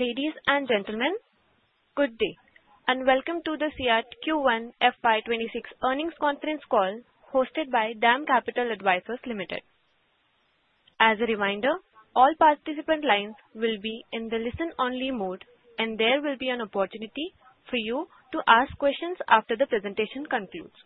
Ladies and gentlemen, good day, and welcome to the SEAT Q1 FY 'twenty six Earnings Conference Call hosted by DAM Capital Advisors Limited. As a reminder, all participant lines will be in the listen only mode, and there will be an opportunity for you to ask questions after the presentation concludes.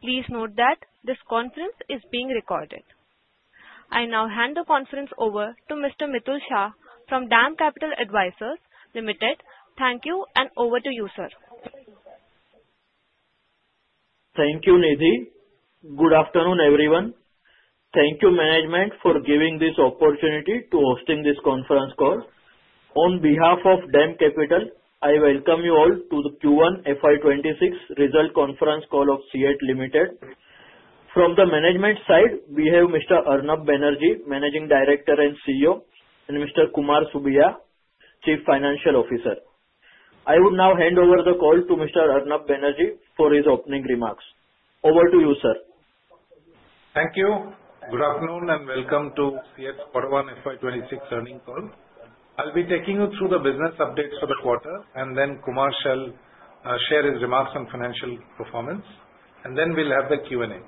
Please note that this conference is being recorded. I now hand the conference over to Mr. Mitul Shah from DAM Capital Advisors Limited. Thank you, and over to you, sir. Thank you, Nidhi. Good afternoon, everyone. Thank you, management, for giving this opportunity to hosting this conference call. On behalf of DAM Capital, I welcome you all to the Q1 FY twenty twenty six Results Conference Call of SEAT Limited. From the management side, we have Mr. Arnab Banerjee, Managing Director and CEO and Mr. Kumar Subia, Chief Financial Officer. I would now hand over the call to Mr. Arnav Benaji for his opening remarks. Over to you, sir. Thank you. Good afternoon, and welcome to CF's quarter one FY 'twenty six earnings call. I'll be taking you through the business updates for the quarter, and then Kumar shall share his remarks on financial performance, and then we'll have the Q and A.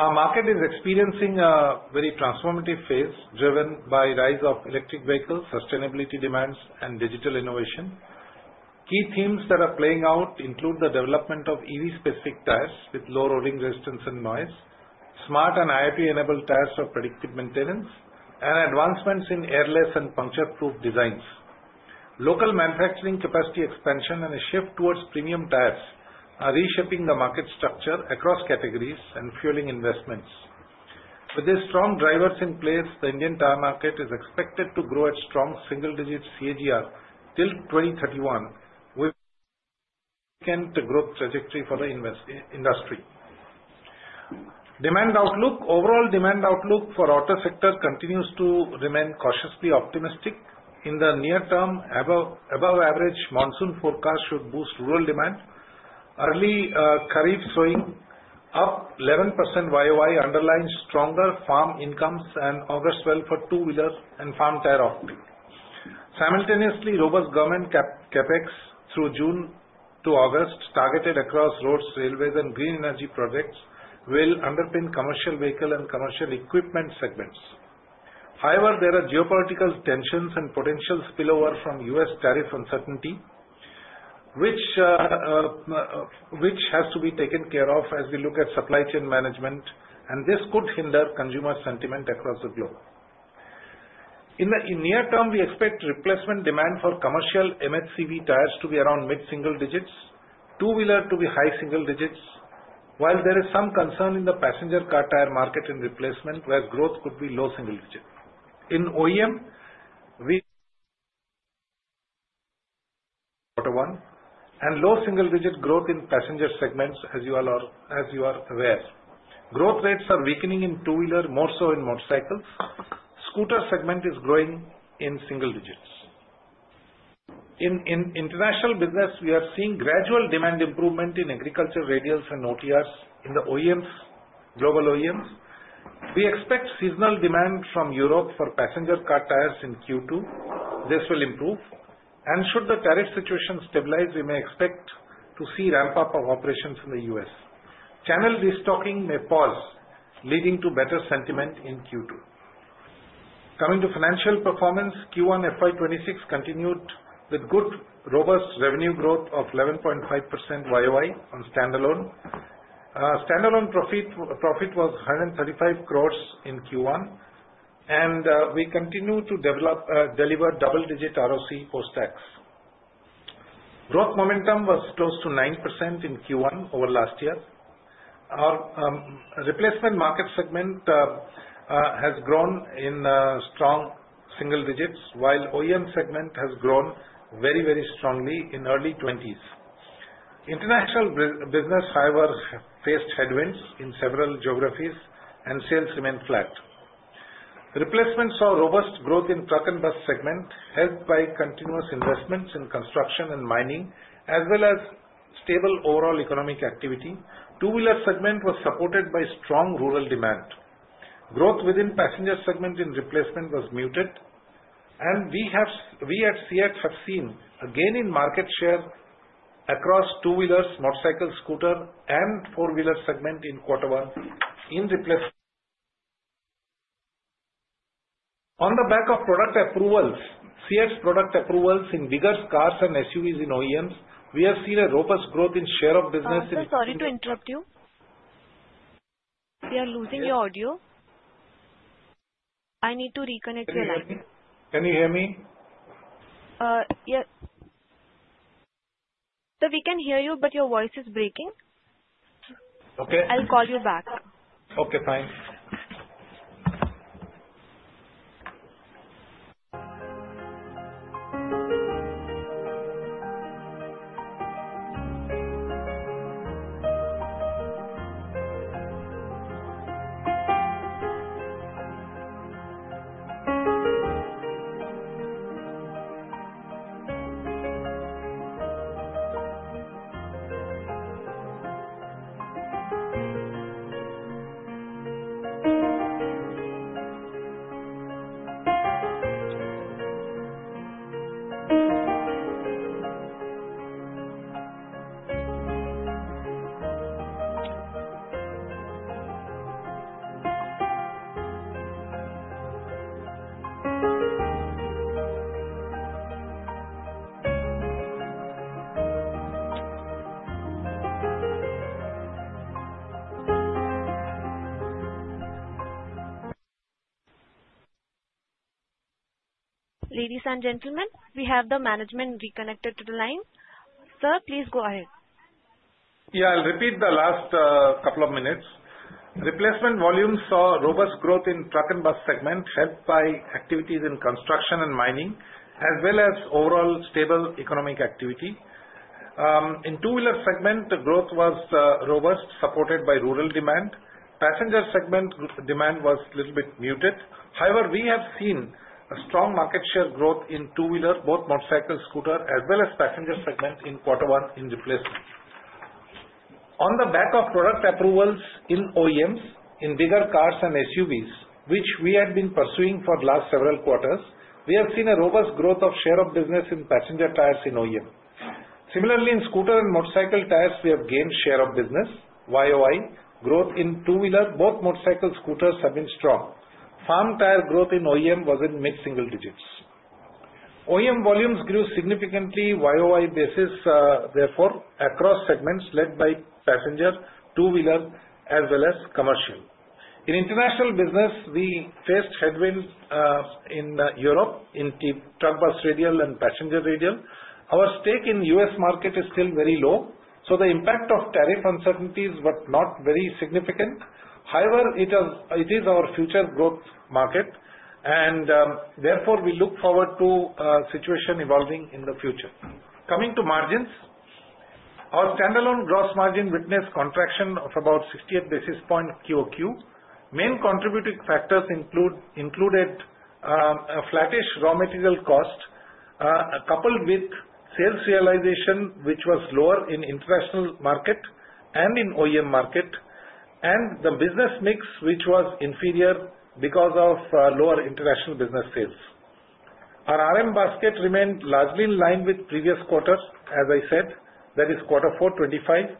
Our market is experiencing a very transformative phase driven by rise of electric vehicles, sustainability demands and digital innovation. Key themes that are playing out include the development of EV specific tires with low rolling resistance and noise, smart and IoT enabled tires for predictive maintenance and advancements in airless and puncture proof designs. Local manufacturing capacity expansion and a shift towards premium tires are reshaping the market structure across categories and fueling investments. With these strong drivers in place, the Indian tire market is expected to grow at strong single digit CAGR till 2031 with growth trajectory for the industry. Demand outlook. Overall demand outlook for auto sector continues to remain cautiously optimistic. In the near term, above average monsoon forecast should boost rural demand. Early tariff swing, up 11% Y o Y underlying stronger farm incomes and August 12 for two wheelers and farm tariff uptick. Simultaneously, robust government CapEx through June to August targeted across roads, railways and green energy projects will underpin commercial vehicle and commercial equipment segments. However, there are geopolitical tensions and potential spillover from U. S. Tariff uncertainty, which has to be taken care of as we look at supply chain management, and this could hinder consumer sentiment across the globe. In the near term, we expect replacement demand for commercial MHCV tires to be around mid single digits, two wheeler to be high single digits, while there is some concern in the passenger car tire market in replacement where growth could be low single digit. In OEM, we quarter one and low single digit growth in passenger segments as you are aware. Growth rates are weakening in two wheeler more so in motorcycles. Scooter segment is growing in single digits. In International business, we are seeing gradual demand improvement in agriculture, radials and OTRs in the OEMs global OEMs. We expect seasonal demand from Europe for passenger car tires in Q2. This will improve. And should the tariff situation stabilize, we may expect to see ramp up of operations in The U. S. Channel destocking may pause, leading to better sentiment in Q2. Coming to financial performance, Q1 FY 'twenty six continued with good robust revenue growth of 11.5% Y o Y on standalone. Stand alone profit was INR135 crores in Q1, and we continue to develop deliver double digit ROCE post tax. Growth momentum was close to 9% in Q1 over last year. Our replacement market segment has grown in strong single digits, while OEM segment has grown very, very strongly in early 20s. International business, however, faced headwinds in several geographies, and sales remained flat. Replacements saw robust growth in truck and bus segment, helped by continuous investments in construction and mining as well as stable overall economic activity, two wheeler segment was supported by strong rural demand. Growth within passenger segment in replacement was muted, and we at SEAT have seen a gain in market share across two wheelers, motorcycle, scooter and four wheeler segment in quarter one in the plus. On the back of product approvals, CX product approvals in bigger cars and SUVs in OEMs, we have seen a robust growth in share of business in Sorry to interrupt you. We are losing I your need to reconnect your line. Can you hear me? We can hear you, but your voice is breaking. Okay. I'll call you back. Okay. Fine. Ladies and gentlemen, we have the management reconnected to the line. Sir, please go ahead. Yes, I'll repeat the last couple of minutes. Replacement volumes saw robust growth in truck and bus segment, helped by activities in construction and mining as well as overall stable economic activity. In two wheeler segment, the growth was robust, supported by rural demand. Passenger segment demand was a little bit muted. However, we have seen a strong market share growth in two wheeler, both motorcycle, scooter as well as passenger segment in quarter one in replacement. On the back of product approvals in OEMs in bigger cars and SUVs, which we had been pursuing for the last several quarters, we have seen a robust growth of share of business in passenger tires in OEM. Similarly, in scooter and motorcycle tires, we have gained share of business. Y o Y, growth in two wheelers, both motorcycle scooters have been strong. Farm tire growth in OEM was in mid single digits. OEM volumes grew significantly Y o Y basis, therefore, across segments led by passenger, two wheelers as well as commercial. In international business, we faced headwinds in Europe in the truck bus radial and passenger radial. Our stake in U. S. Market is still very low. So the impact of tariff uncertainties was not very significant. However, it is our future growth market, and therefore, we look forward to situation evolving in the future. Coming to margins. Our standalone gross margin witnessed contraction of about 68 basis points Q o Q. Main contributing factors included a flattish raw material cost, coupled with sales realization, which was lower in international market and in OEM market and the business mix, which was inferior because of lower international business sales. Our RM basket remained largely in line with previous quarters, as I said, that is quarter four 'twenty five.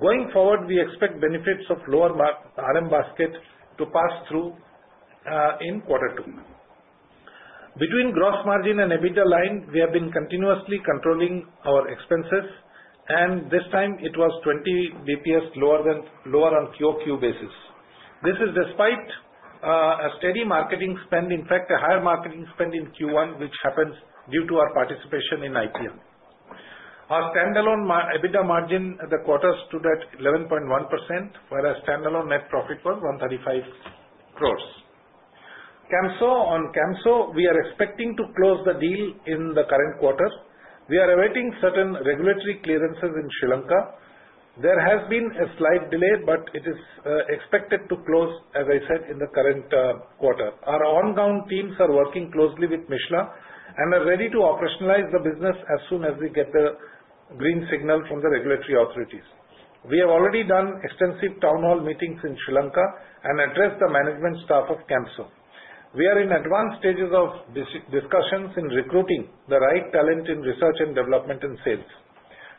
Going forward, we expect benefits of lower RM basket to pass through in quarter two. Between gross margin and EBITDA line, we have been continuously controlling our expenses, and this time, it was 20 bps lower than lower on Q o Q basis. This is despite a steady marketing spend, in fact, a higher marketing spend in Q1, which happens due to our participation in IPM. Our stand alone EBITDA margin at the quarter stood at 11.1%, whereas stand alone net profit was 135 crores. On Camso, we are expecting to close the deal in the current quarter. We are awaiting certain regulatory clearances in Sri Lanka. There has been a slight delay, but it is expected to close, as I said, in the current quarter. Our on ground teams are working closely with Mishla and are ready to operationalize the business as soon as we get the green signal from the regulatory authorities. We have already done extensive town hall meetings in Sri Lanka and addressed the management staff of Kamsoo. We are in advanced stages of discussions in recruiting the right talent in research and development and sales.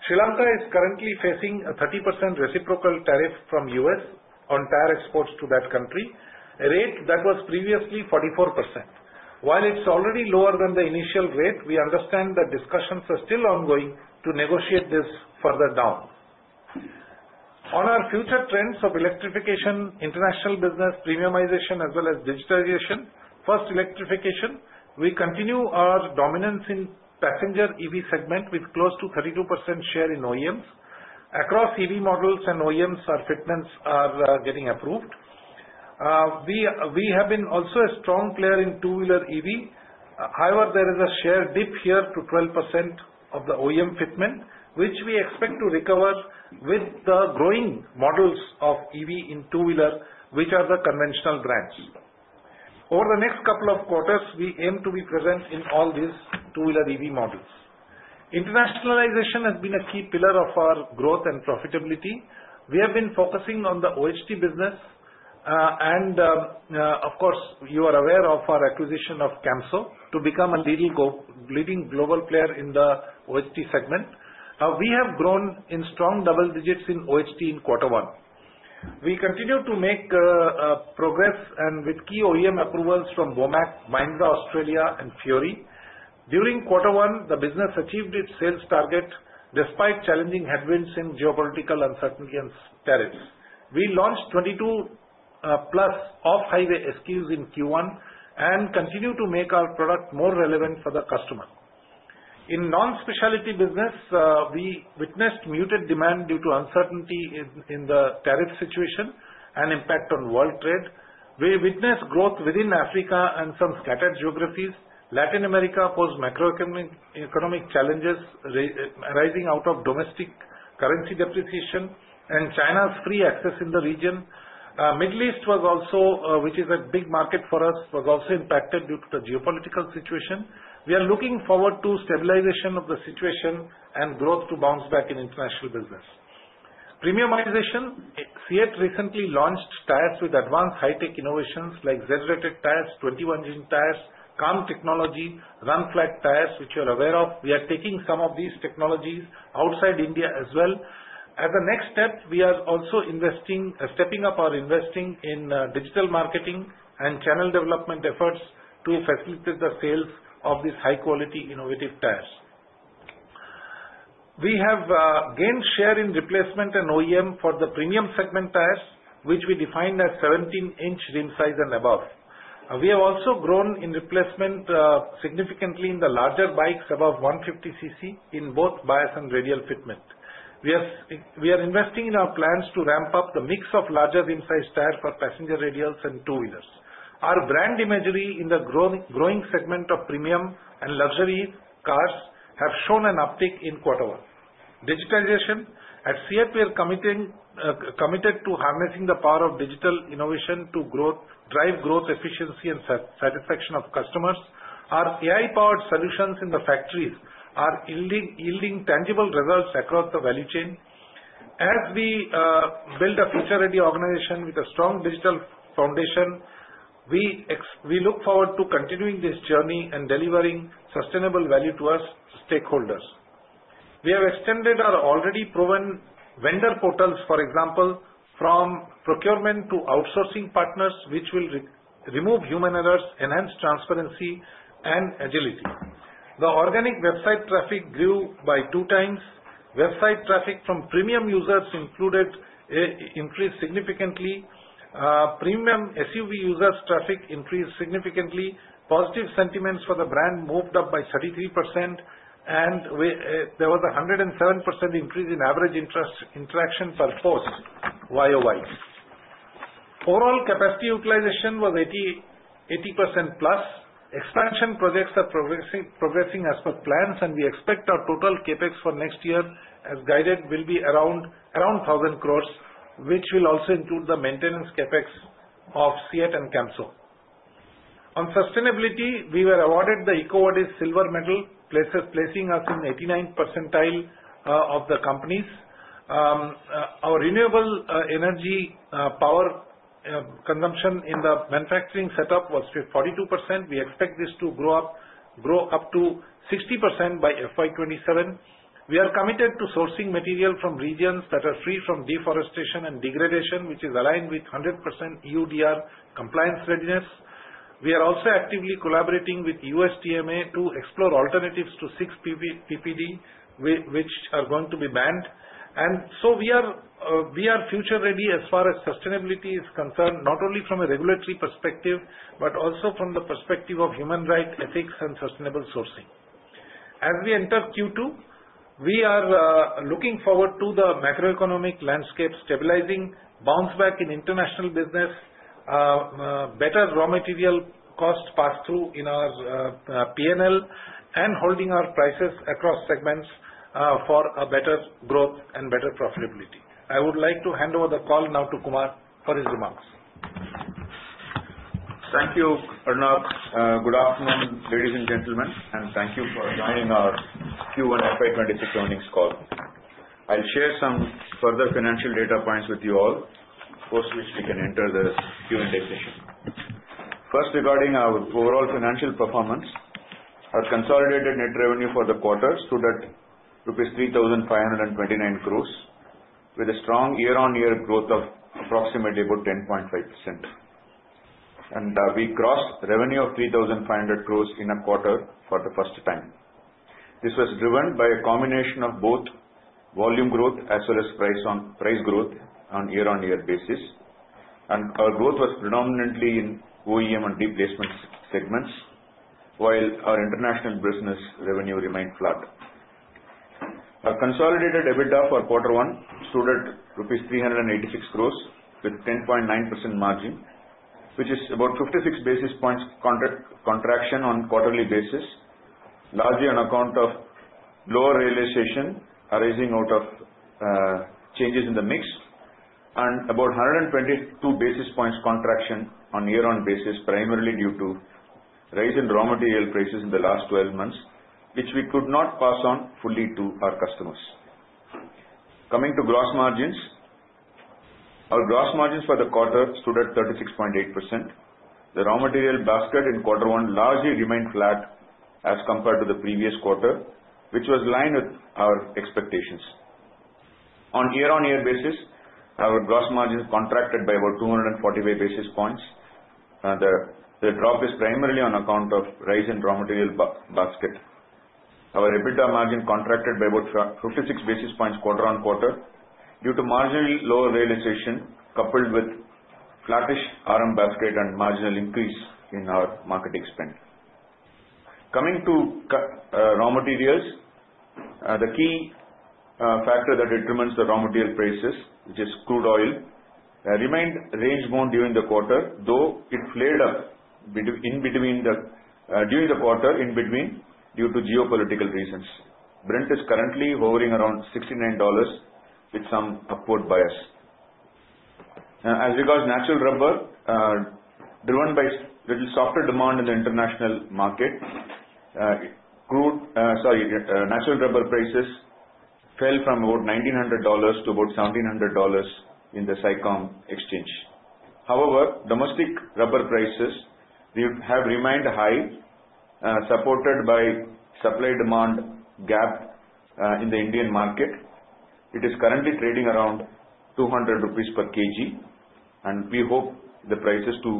Sri Lanka is currently facing a 30% reciprocal tariff from U. S. On tariff exports to that country, a rate that was previously 44%. While it's already lower than the initial rate, we understand that discussions are still ongoing to negotiate this further down. On our future trends of electrification, international business, premiumization as well as digitization. First, electrification, we continue our dominance in passenger EV segment with close to 32% share in OEM. Across EV models and OEMs, our shipments are getting approved. We have been also a strong player in two wheeler EV. However, there is a share dip here to 12% of the OEM fitment, which we expect to recover with the growing models of EV in two wheeler, which are the conventional brands. Over the next couple of quarters, we aim to be present in all these two wheeler EV models. Internationalization has been a key pillar of our growth and profitability. We have been focusing on the OHT business. And of course, you are aware of our acquisition of Camso to become a leading global player in the OHT segment. We have grown in strong double digits in OHT in quarter one. We continue to make progress and with key OEM approvals from Womack, Mahindra Australia and Fiori. During quarter one, the business achieved its sales target despite challenging headwinds in geopolitical uncertainty and tariffs. We launched 22 plus off highway SKUs in Q1 and continue to make our product more relevant for the customer. In non specialty business, we witnessed muted demand due to uncertainty in the tariff situation and impact on world trade. We witnessed growth within Africa and some scattered geographies. Latin America post macroeconomic challenges arising out of domestic currency depreciation and China's free access in the region. Middle East was also which is a big market for us, was also impacted due to the geopolitical situation. We are looking forward to stabilization of the situation and growth to bounce back in international business. Premiumization, SEAT recently launched tires with advanced high-tech innovations like Z rated tires, 21 engine tires, Calm technology, RunFlag tires, which you are aware of. We are taking some of these technologies outside India as well. As a next step, we are also investing stepping up our investing in digital marketing and channel development efforts to facilitate the sales of these high quality innovative tires. We have gained share in replacement and OEM for the premium segment tires, which we define as 17 inches rim size and above. We have also grown in replacement significantly in the larger bikes above 150cc in both bias and radial fitment. We are investing in our plans to ramp up the mix of larger in size tires for passenger radials and two wheelers. Our brand imagery in the growing segment of premium and luxury cars have shown an uptick in quarter one. Digitization, at CF, we are committed to harnessing the power of digital innovation to drive growth efficiency and satisfaction of customers. Our AI powered solutions in the factories are yielding tangible results across the value chain. As we build a future ready organization with a strong digital foundation, we look forward to continuing this journey and delivering sustainable value to our stakeholders. We have extended our already proven vendor portals, for example, from procurement to outsourcing partners, which will remove human errors, enhance transparency and agility. The organic website traffic grew by 2x. Website traffic from premium users included increased significantly. Premium SUV users traffic increased significantly. Positive sentiments for the brand moved up by 33% and there was 107% increase in average interest interaction by post Y o Y. Overall capacity utilization was 80% plus. Expansion projects are progressing as per plans, and we expect our total CapEx for next year, as guided, will be around 1000 crores, which will also include the maintenance CapEx of SEAT and CAMSO. On sustainability, we were awarded the EcoWadish silver medal, placing us in eighty ninth percentile of the companies. Our renewable energy power consumption in the manufacturing setup was 42%. We expect this to grow up to 60% by FY 'twenty seven. We are committed to sourcing material from regions that are free from deforestation and degradation, which is aligned with 100% EUDR compliance readiness. We are also actively collaborating with USTMA to explore alternatives to six PPD, which are going to be banned. And so we are future ready as far as sustainability is concerned, not only from a regulatory perspective, but also from the perspective of human rights, ethics and sustainable sourcing. As we enter Q2, we are looking forward to the macroeconomic landscape stabilizing, bounce back in international business, better raw material cost pass through in our P and L and holding our prices across segments for a better growth and better profitability. I would like to hand over the call now to Kumar for his remarks. Thank you, Pranav. Good afternoon, ladies and gentlemen, and thank you for joining our Q1 FY 'twenty six earnings call. I'll share some further financial data points with you all, post which we can enter the Q and A session. First, regarding our overall financial performance. Our consolidated net revenue for the quarter stood at rupees 3529 crores with a strong year on year growth of approximately about 10.5%. And we grossed revenue of 3500 crores in a quarter for the first time. This was driven by a combination of both volume growth as well as price growth on year on year basis. And our growth was predominantly in OEM and replacement segments, while our international business revenue remained flat. Our consolidated EBITDA for quarter one stood at rupees 386 crores with 10.9% margin, which is about 56 basis points contraction on quarterly basis, largely on account of lower realization arising out of changes in the mix and about 122 basis points contraction on year on basis, primarily due to rise in raw material prices in the last twelve months, which we could not pass on fully to our customers. Coming to gross margins. Our gross margins for the quarter stood at 36.8%. The raw material basket in quarter one largely remained flat as compared to the previous quarter, which was in line with our expectations. On year on year basis, our gross margins contracted by about two forty five basis points. The drop is primarily on account of rise in raw material basket. Our EBITDA margin contracted by about 56 basis points quarter on quarter due to marginally lower realization, coupled with flattish RM basket and marginal increase in our marketing spend. Coming to raw materials. The key factor that determines the raw material prices, which is crude oil, remained range bound during the quarter, though it flared up in between the during the quarter in between due to geopolitical reasons. Brent is currently hovering around $69 with some upward bias. As regards natural rubber, driven by little softer demand in the international market, crude sorry, natural rubber prices fell from about $1,900 to about $1,700 in the SICOM exchange. However, domestic rubber prices have remained high, supported by supply demand gap in the Indian market. It is currently trading around 200 per kg, and we hope the prices to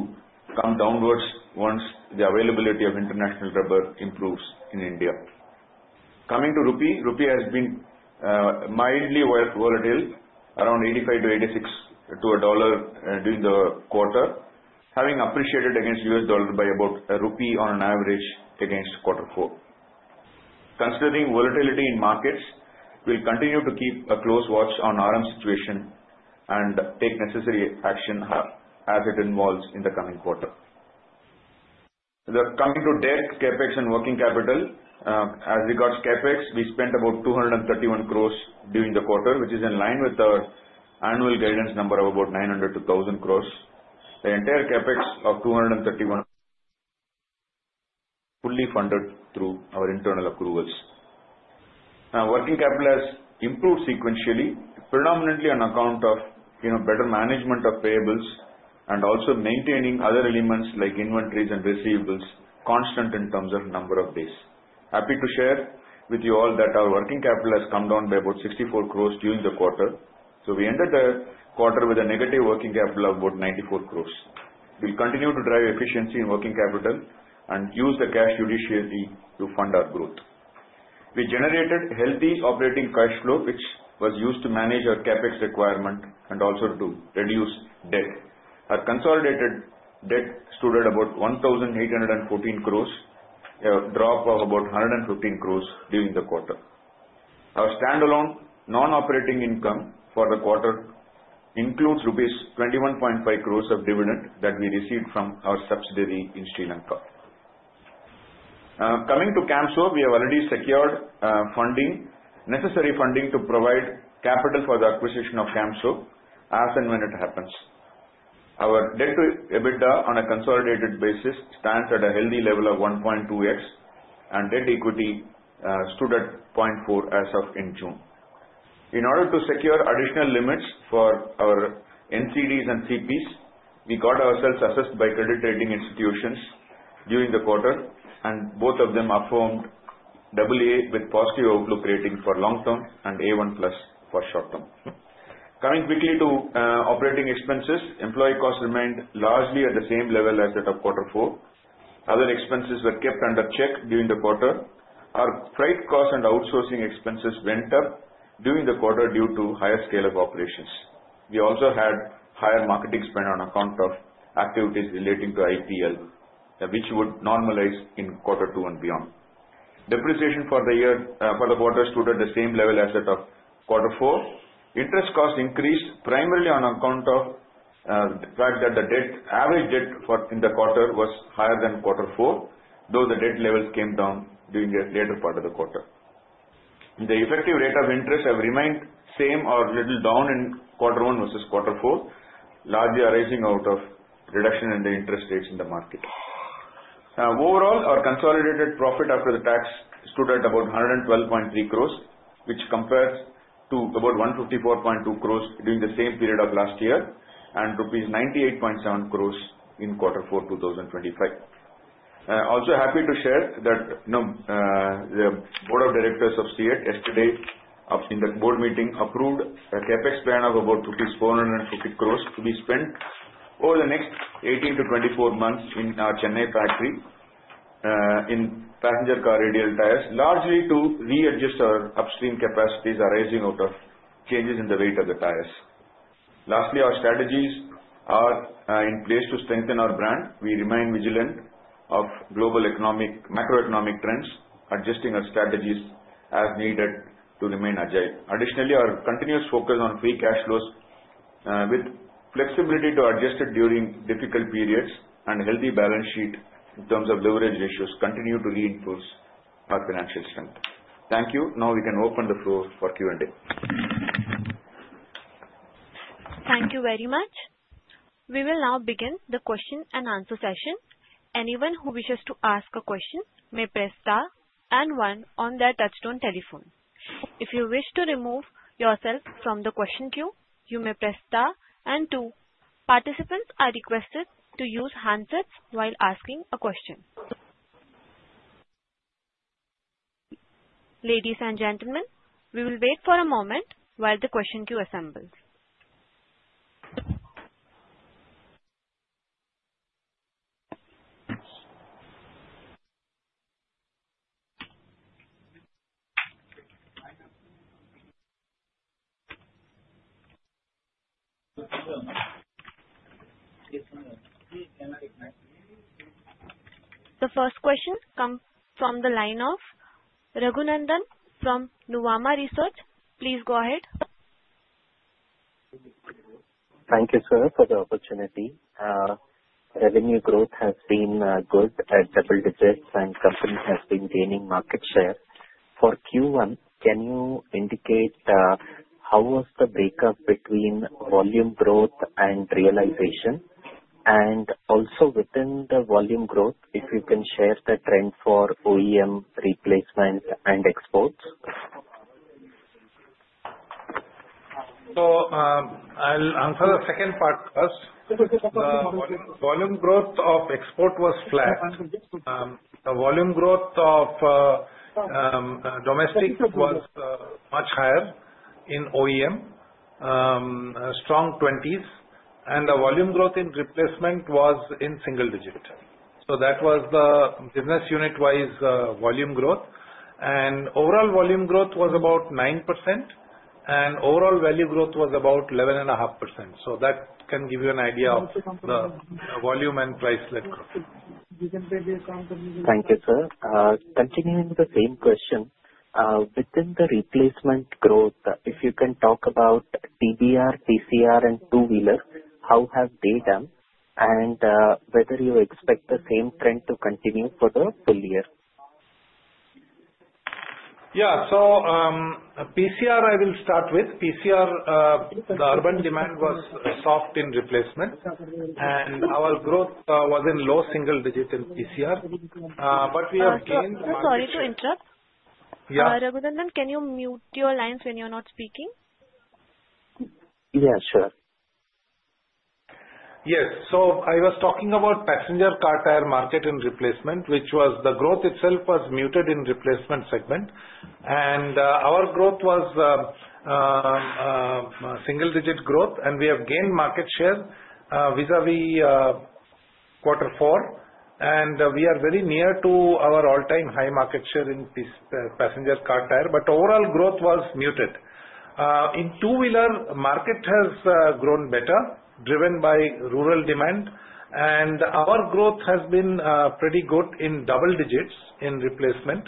come downwards once the availability of international rubber improves in India. Coming to rupee. Rupee has been mildly volatile around $85 to $86 to $1 during the quarter, having appreciated against U. Dollar by about rupee on an average against quarter four. Considering volatility in markets, we'll continue to keep a close watch on RM situation and take necessary action as it evolves in the coming quarter. Coming to debt, CapEx and working capital. As regards CapEx, we spent about 231 crores during the quarter, which is in line with our annual guidance number of about 900 crores to 1000 crores. The entire CapEx of 231 million fully funded through our internal approvals. Now working capital has improved sequentially, predominantly on account of better management of payables and also maintaining other elements like inventories and receivables constant in terms of number of days. Happy to share with you all that our working capital has come down by about 64 crores during the quarter. So we ended the quarter with a negative working capital of about 94 crores. We'll continue to drive efficiency in working capital and use the cash judiciary to fund our growth. We generated healthy operating cash flow, which was used to manage our CapEx requirement and also to reduce debt. Our consolidated debt stood at about 1814 crores, a drop of about 115 crores during the quarter. Our stand alone non operating income for the quarter includes rupees 21.5 crores of dividend that we received from our subsidiary in Sri Lanka. Coming to Kamsoo, we have already secured funding necessary funding to provide capital for the acquisition of Kamsoo as and when it happens. Our debt to EBITDA on a consolidated basis stands at a healthy level of 1.2x and debt equity stood at 0.4 as of in June. In order to secure additional limits for our NCDs and CPs, we got ourselves assessed by credit rating institutions during the quarter, and both of them affirmed AA with positive outlook rating for long term and A1 plus for short term. Coming quickly to operating expenses. Employee costs remained largely at the same level as that of quarter four. Other expenses were kept under check during the quarter. Our freight costs and outsourcing expenses went up during the quarter due to higher scale of operations. We also had higher marketing spend on account of activities relating to IPL, which would normalize in quarter two and beyond. Depreciation for the quarter stood at the same level as at quarter four. Interest cost increased primarily on account of the fact that the debt average debt in the quarter was higher than quarter four, though the debt levels came down during the later part of the quarter. The effective rate of interest have remained same or little down in quarter one versus quarter four, largely arising out of reduction in the interest rates in the market. Overall, our consolidated profit after the tax stood at about 112.3 crores, which compares to about 154.2 crores during the same period of last year and rupees 98.7 crores in quarter four twenty twenty five. Also happy to share that the Board of Directors of SEAT yesterday in the Board meeting approved a CapEx plan of about rupees 400 crore to be spent over the next eighteen to twenty four months in our Chennai factory in passenger car radial tires, largely to readjust our upstream capacities arising out of changes in the weight of the tires. Lastly, our strategies are in place to strengthen our brand. We remain vigilant of global economic macroeconomic trends, adjusting our strategies as needed to remain agile. Additionally, our continuous focus on free cash flows with flexibility to adjust it during difficult periods and healthy balance sheet in terms of leverage ratios continue to reinforce our financial strength. Thank you. Now we can open the floor for Q and A. Thank you very much. We will now begin the question and answer session. Anyone who wishes to ask a question may press star and 1 on their touch tone telephone. If you wish to remove yourself from the question queue, you may press star and 2. Participants are requested The first question comes from the line of Raghunandan from Nuvama Research. Go ahead. Thank you, sir, for the opportunity. Revenue growth has been good at double digits and company has been gaining market share. For Q1, can you indicate how was the breakup between volume growth and realization? And also within the volume growth, if you can share the trend for OEM replacements and exports? Mani:] So I'll answer the second part first. Volume growth of export was flat. The volume growth of domestic was much higher in OEM, strong 20s. And the volume growth in replacement was in single digit. So that was the business unit wise volume growth. And overall volume growth was about 9% and overall value growth was about 11.5%. So that can give you an idea of the volume and price lift growth. Continuing with the same question, within the replacement growth, if you can talk about TBR, TCR and two wheeler, how have they done? And whether you expect the same trend to continue for the full year? Yes. So PCR, will start with. PCR, the urban demand was soft in replacement, and our growth was in low single digit in PCR, but we have gained market Sorry to interrupt. Raghuram, can you mute your lines when you're not speaking? Yeah. Sure. Yes. So I was talking about passenger car tyre market in replacement, which was the growth itself was muted in replacement segment. And our growth was single digit growth, and we have gained market share vis a vis quarter four. And we are very near to our all time high market share in passenger car tyre, but overall growth was muted. In two wheeler, market has grown better driven by rural demand. And our growth has been pretty good in double digits in replacement,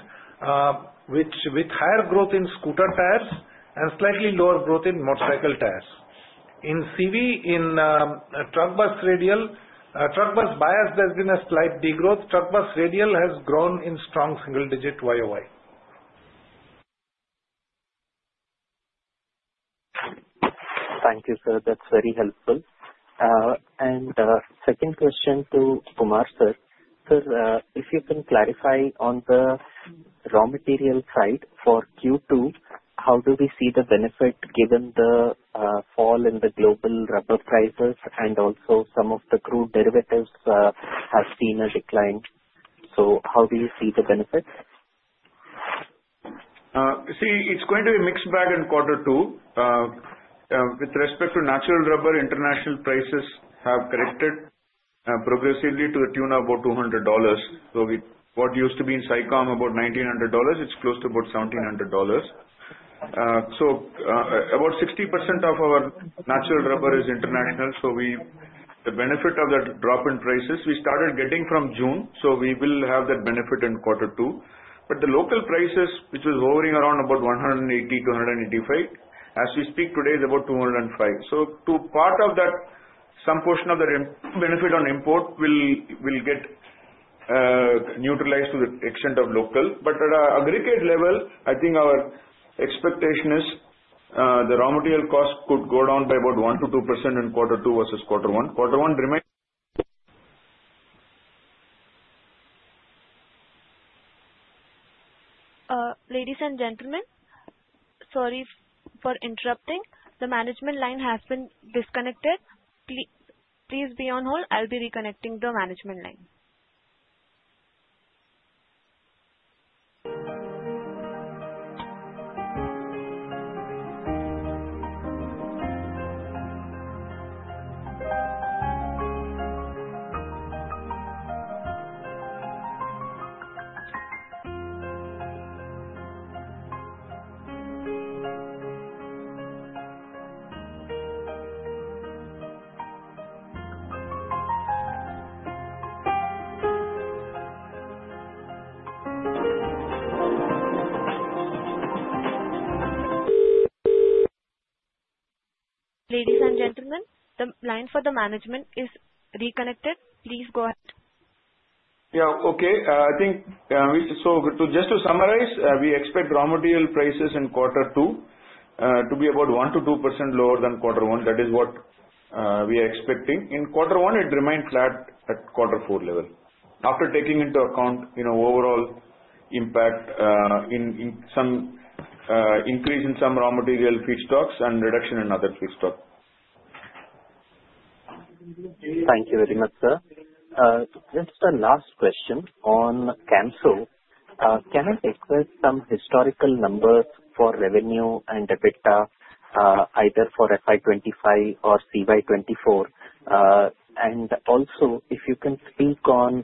which with higher growth in scooter tires and slightly lower growth in motorcycle tires. In CV, in truck bus radial, truck bus bias, there's been a slight degrowth. Truck bus radial has grown in strong single digit Y o Y. Thank you, sir. That's very helpful. And second question to Umer, sir. Sir, if you can clarify on the raw material side for Q2, how do we see the benefit given the fall in the global rubber prices and also some of the crude derivatives have seen a decline? So how do you see the benefit? See, it's going to be a mixed bag in quarter two. With respect to natural rubber, international prices have corrected progressively to the tune of about $200 So what used to be in SICOM about $1,900 it's close to about $1,700 So about 60% of our natural rubber is international. So we the benefit of that drop in prices, we started getting from June. So we will have that benefit in quarter two. But the local prices, which is hovering around about $182.85, as we speak today, it's about $2.00 5. So part of that, some portion of the benefit on import will get neutralized to the extent of local. But at an aggregate level, I think our expectation is the raw material cost could go down by about 1% to 2% in quarter two versus quarter one. Quarter one Ladies and gentlemen, sorry for interrupting. The management line has been disconnected. Please be on hold. I'll be reconnecting the management line. Ladies and gentlemen, the line for the management is reconnected. Please go ahead. Yes. Okay. I think, so just to summarize, we expect raw material prices in quarter two to be about 1% to 2% lower than quarter one. That is what we are expecting. In quarter one, it remained flat at quarter four level after taking into account overall impact in some increase in some raw material feedstocks and reduction in other feedstock. Just a last question on Camso. Can I take some historical numbers for revenue and EBITDA, either for FY 'twenty five or CY 'twenty four? And also, if you can speak on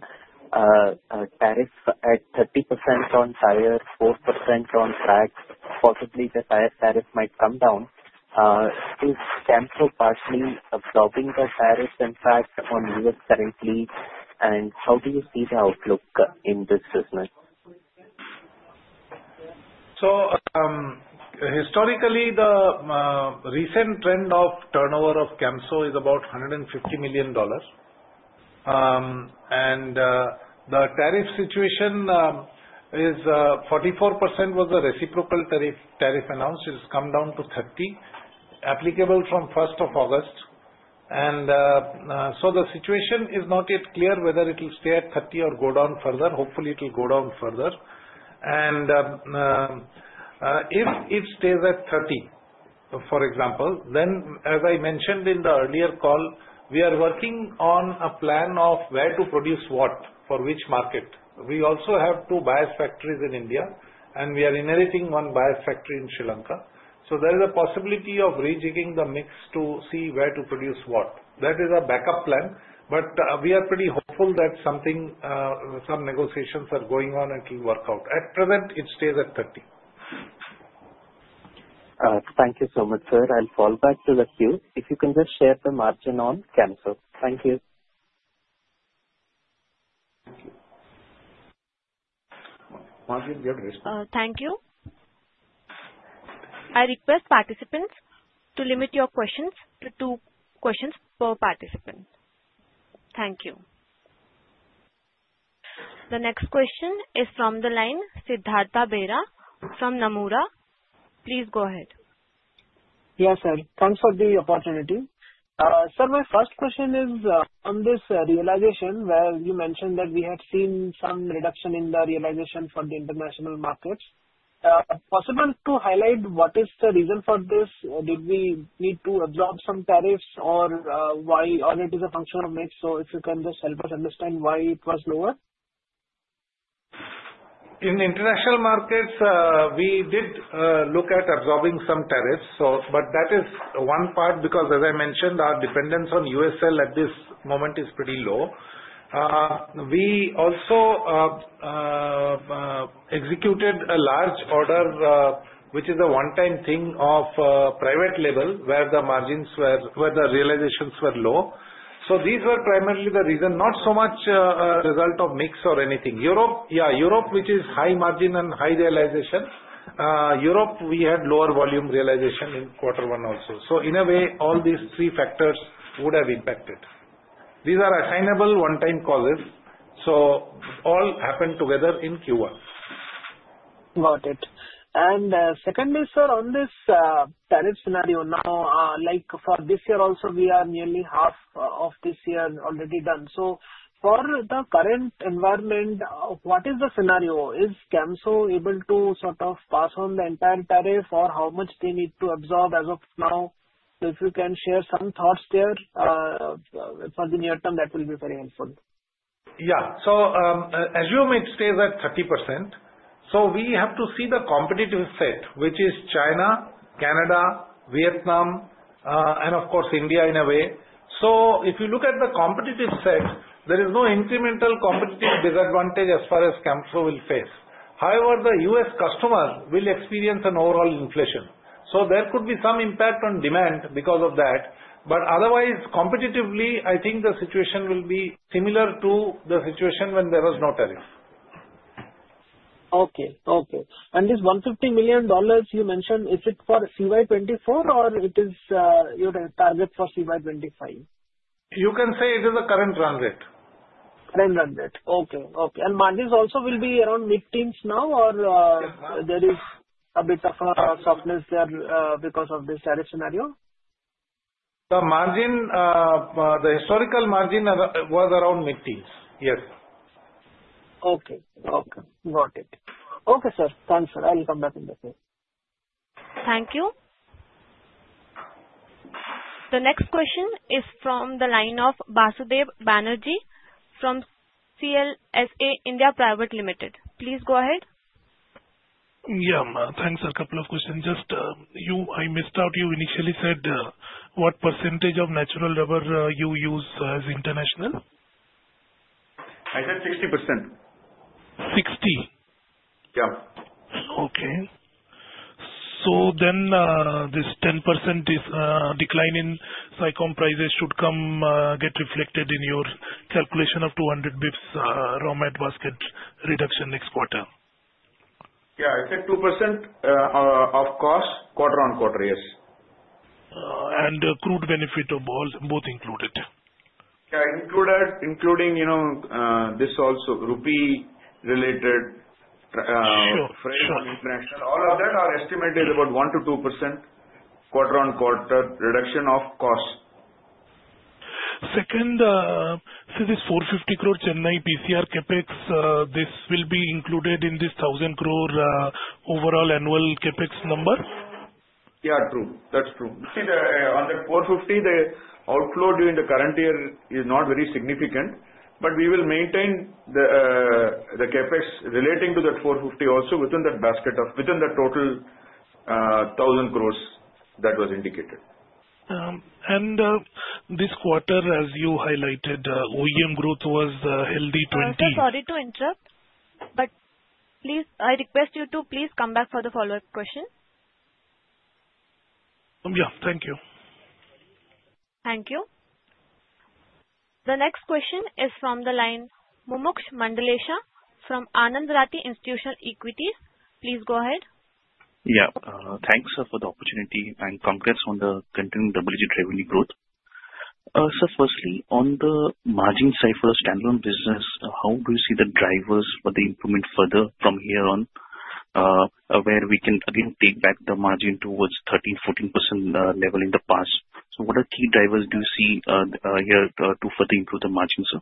tariffs at 30% on tire, 4% on fracs, possibly the tariff might come down. Is Camso partially absorbing the tariff impact on U. S. Currently? And how do you see the outlook in this business? So historically, the recent trend of turnover of Camso is about $150,000,000 And the tariff situation is 44% was a reciprocal tariff announced. It has come down to 30%, applicable from August 1. And so the situation is not yet clear whether it will stay at 30% or go down further. Hopefully, it will go down further. And if it stays at 30, for example, then as I mentioned in the earlier call, we are working on a plan of where to produce what for which market. We also have two buyers factories in India, and we are inheriting one buyer factory in Sri Lanka. So there is a possibility of rejigging the mix to see where to produce what. That is our backup plan. But we are pretty hopeful that something some negotiations are going on and can work out. At present, it stays at 30%. Thank you so much, sir. I'll fall back to the queue. If you can just share the margin on cancer. Thank you. You. Margin, you have responded. Thank you. I request participants to limit your questions to two questions per participant. Thank you. The next question is from the line Siddhartha Bera from Nomura. Sir, my first question is on this realization where you mentioned that we had seen some reduction in the realization for the international markets. Possible to highlight what is the reason for this? Did we need to absorb some tariffs? Or why audit is a function of mix? So if you can just help us understand why it was lower. In international markets, we did look at absorbing some tariffs. So but that is one part because, as I mentioned, our dependence on USL at this moment is pretty low. We also executed a large order, which is a onetime thing of private label, where the margins were where the realizations were low. So these were primarily the reason, not so much a result of mix or anything. Europe, yes, Europe, which is high margin and high realization, Europe, we had lower volume realization in quarter one also. So in a way, all these three factors would have impacted. These are assignable onetime calls. So all happened together in Q1. Got it. And secondly, on this tariff scenario now, like for this year also, we are nearly half of this year already done. So for the current environment, what is the scenario? Is cancel able to sort of pass on the entire tariff or how much they need to absorb as of now? So if you can share some thoughts there for the near term that will be very helpful. Yes. So as you may stay at 30%, so we have to see the competitive set, which is China, Canada, Vietnam and of course, in a way. So if you look at the competitive set, there is no incremental competitive disadvantage as far as Camso will face. However, The U. S. Customer will experience an overall inflation. So there could be some impact on demand because of that. But otherwise, competitively, I think the situation will be similar to the situation when there was no tariff. Okay. Okay. And this $150,000,000 you mentioned, is it for CY 'twenty four or it is your target for CY 'twenty five? You can say it is a current run rate. Current run rate. Okay. Okay. And margins also will be around mid teens now or there is a bit of a softness there because of this tariff scenario? The margin, the historical margin was around mid teens. Yes. Okay okay. Got it. Okay, sir. Thanks, sir. I'll come back in the day. Thank you. The next question is from the line of Basudev Banerjee from CLSA India Private Limited. Please go ahead. A couple of questions. Just you I missed out. You initially said what percentage of natural rubber you use as international? I said 60%. 60%? Yes. Okay. So then this 10% decline in SICOM prices should come get reflected in your calculation of 200 bps raw mat basket reduction next quarter? SRINIVASAN Yes. It's a 2% of cost quarter on quarter, yes. And crude benefit of all both included? SRINIVASAN Including this also rupee related freight on international, all of that our estimate is about 1% to 2% quarter on quarter reduction of costs. SRINIVASAN Second, so this 450 crore Chennai PCR CapEx, this will be included included in in this this 1000 crores overall annual CapEx number? Yes, true. That's true. See, the 450 crores, the outflow during the current year is not very significant, but we will maintain the CapEx relating to that INR $4.50 crores also within that basket of within the total 1,000 crores that was indicated. VENKATAKRISHNAN:] And this quarter, as you highlighted, OEM growth was healthy 20 I'm sorry to interrupt, but please I request you to please come back for the follow-up question. Yes. Thank you. Thank you. The next question is from the line Mumuch Mandalisha from Anandrati Institutional Equities. Congrats on the continued double digit revenue growth. Sir, firstly, on the margin side for the stand alone business, how do you see the drivers for the improvement further from here on, where we can, again, take back the margin towards 13%, 14% level in the past? So what are key drivers do you see here to further improve the margin, sir?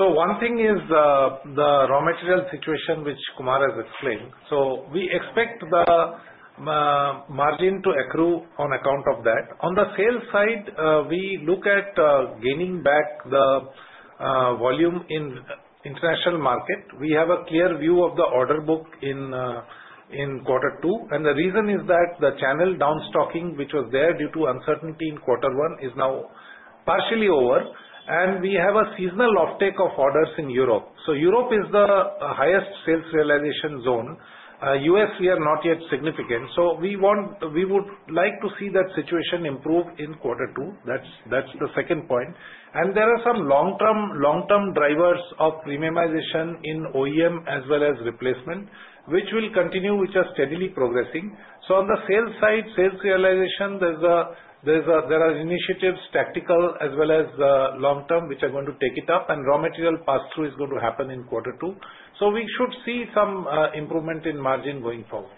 So one thing is the raw material situation, which Kumar has explained. So we expect the margin to accrue on account of that. On the sales side, we look at gaining back the volume in international market. We have a clear view of the order book in quarter two. And the reason is that the channel downstocking, which was there due to uncertainty in quarter one, is now partially over. And we have a seasonal offtake of orders in Europe. So Europe is the highest sales realization zone. U. S, we are not yet significant. So we want we would like to see that situation improve in quarter two. That's the second point. And there are some long term drivers of premiumization in OEM as well as replacement, which will continue, which are steadily progressing. So on the sales side, sales realization, are initiatives, tactical as well as long term, which are going to take it up and raw material pass through is going to happen in quarter two. So we should see some improvement in margin going forward.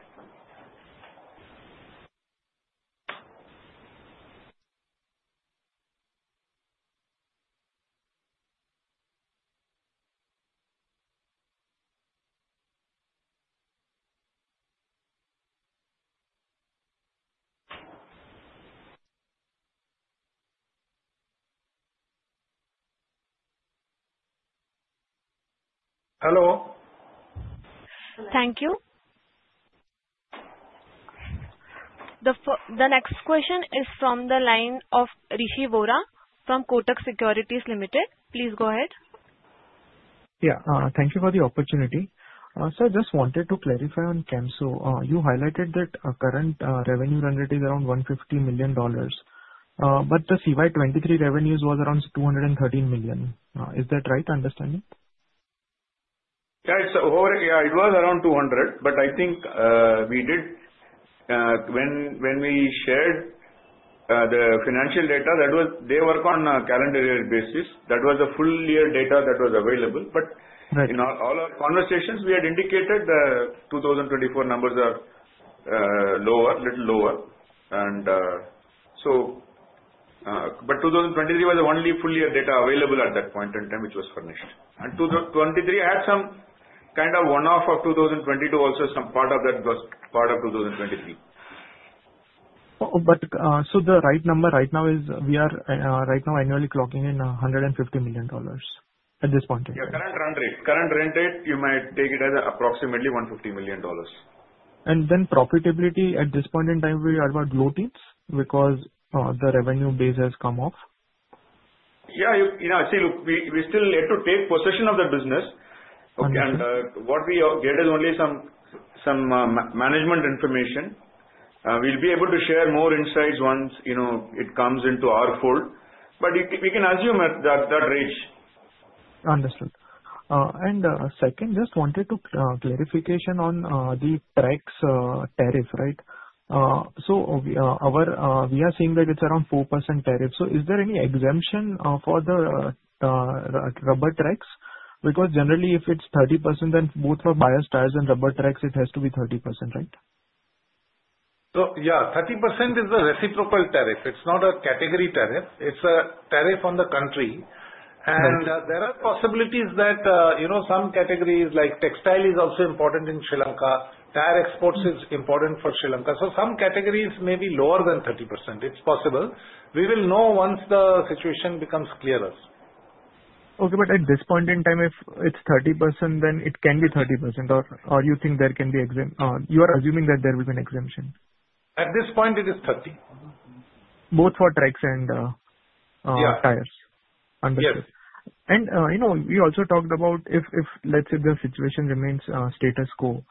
Hello. Thank you. Next question is from the line of Rishi Bora from Kotak Securities Limited. Sir, just wanted to clarify on Kemso. You highlighted that current revenue run rate is around $150,000,000 But the CY 'twenty three revenues was around $213,000,000 Is that right to understand it? S. Yes. It was around 200,000,000 But I think we did when we shared the financial data that was they work on a calendar year basis. That was a full year data that was available. But in all our conversations, we had indicated 2024 numbers are lower, a little lower. And so, but 2023 was the only full year data available at that point in time which was furnished. And 2023 had some kind of one off of 2022 also some part of that was part of 2023. But so the right number right now is we are right now annually clocking in $150,000,000 at this point in Yes, current run rate. Current run rate, you might take it as approximately $150,000,000 And then profitability at this point in time, are about low teens because the revenue base has come off? Yes. Actually, we still have to take possession of the business. And what we get is only some management information. We'll be able to share more insights once it comes into our fold. But we can assume at range. Understood. And second, just wanted to clarification on the Trex tariff, right? So our we are seeing that it's around 4% tariff. So is there any exemption for the rubber Trex? Because generally, if it's 30%, then both for bias tires and rubber Trex, it has to be 30%, right? So yes, 30% is a reciprocal tariff. It's not a category tariff. It's a tariff on the country. And there are possibilities that some categories like textile is also important in Sri Lanka, tire exports is important for Sri Lanka. So some categories may be lower than 30%. It's possible. We will know once the situation becomes clearer. Okay. But at this point in time, if it's 30%, then it can be 30%? Or you think there can be exempt you are assuming that there is an exemption? At this point, it is 30. Both for tracks and Yeah. Tires. Understood. And, you know, we also talked about if if, let's say, the situation remains status quo,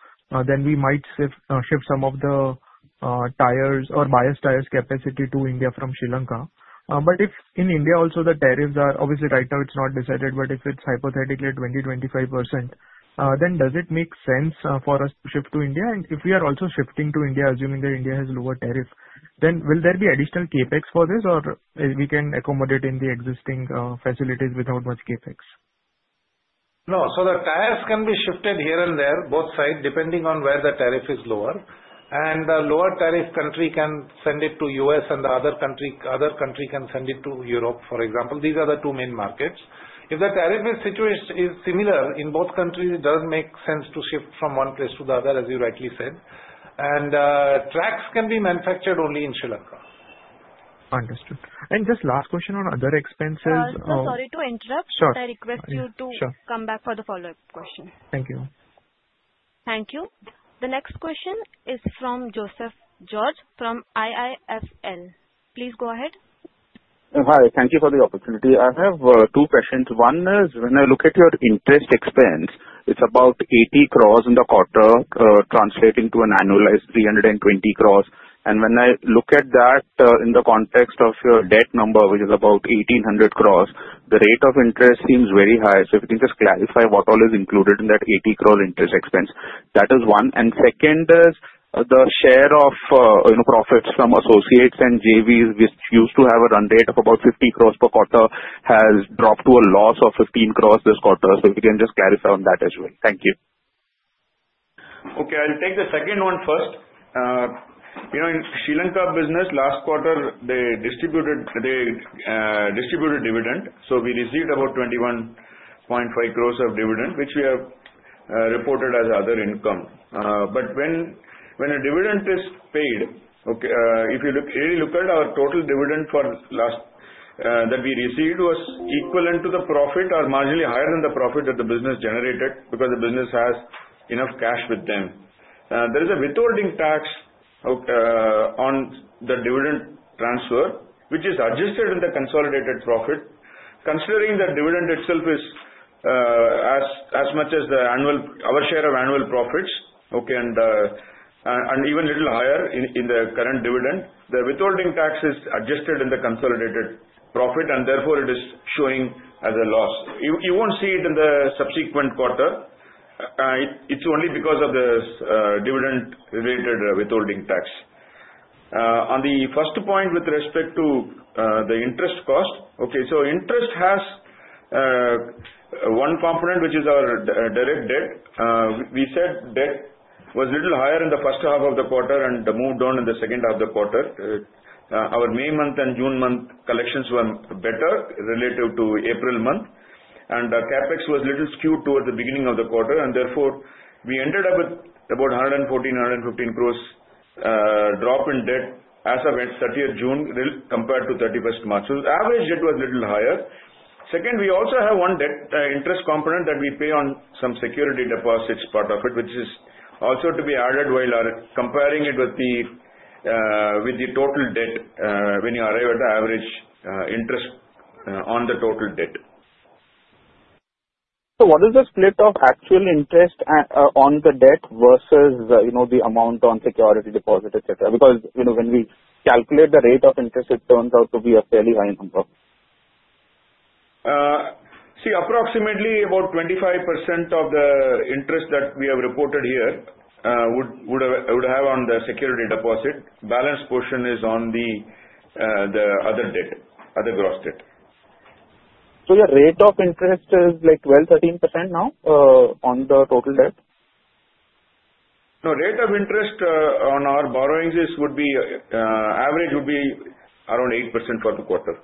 then we might shift some of the tires or biased tires capacity to India from Sri Lanka. But if in India also the tariffs are obviously right now, it's not decided, but if it's hypothetically 20%, 25%, then does it make sense for us to shift to India? And if we are also shifting to India, assuming that India has lower tariff, then will there be additional CapEx for this? Or we can accommodate in the existing facilities without much CapEx? No. So the tariffs can be shifted here and there, both sides, depending on where the tariff is lower. And the lower tariff country can send it to U. S. And the other country can send it to Europe, for example. These are the two main markets. If the tariff situation is similar in both countries, it doesn't make sense to shift from one place to the other, as you rightly said. And tracks can be manufactured only in Sri Lanka. Understood. And just last question on other expenses. Sorry to interrupt, but I request you to come back for the follow-up question. Thank you. Thank you. The next question is from Joseph George from IIFL. Please go ahead. Hi. Thank you for the opportunity. I have two questions. One is when I look at your interest expense, it's about 80 crores in the quarter, translating to an annualized INR $3.20 crores. And when I look at that in the context of your debt number, which is about 1800 crores, the rate of interest seems very high. So if you can just clarify what all is included in that 80 crores interest expense. That is one. And second is the share of profits from associates and JVs, which used to have a run rate of about 50 crores per quarter, has dropped to a loss of 15 crores this quarter. So if you can just clarify on that as well. Okay. I'll take the second one first. In Sri Lanka business, last quarter, they distributed dividend. So we received about 21.5 crores of dividend, which we have reported as other income. But when a dividend is paid, okay, if you look at our total dividend for last that we received was equivalent to the profit or marginally higher than the profit that the business generated because the business has enough cash with them. There is a withholding tax on the dividend transfer, which is adjusted in the consolidated profit. Considering the dividend itself is as much as the annual our share of annual profits, okay, and even little higher in the current dividend. The withholding tax is adjusted in the consolidated profit, and therefore, it is showing as a loss. You won't see it in the subsequent quarter. It's only because of the dividend related withholding tax. On the first point with respect to the interest cost, okay, so interest has one component, which is our direct debt. We said debt was a little higher in the first half of the quarter and moved on in the second half of the quarter. Our May month and June month collections were better relative to April month. And CapEx was a little skewed towards the beginning of the quarter. And therefore, we ended up with about 114 crores, 115 crores drop in debt as of its thirtieth June compared to thirty first March. So, average debt was little higher. Second, we also have one debt interest component that we pay on some security deposits part of it, which is also to be added while comparing it with the total debt when you arrive at average interest on the total debt. So, what is the split of actual interest on the debt versus the amount on security deposit, Because when we calculate the rate of interest, it turns out to be a fairly high number. About 25% of the interest that we have reported here would have on the security deposit. Balance portion is on the other debt, other gross debt. So, your rate of interest is like 12%, 13% now on the total debt? No, rate of interest on our borrowings is would be average would be around 8% for the quarter.